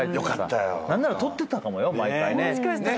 何なら取ってたかもよ毎回ね。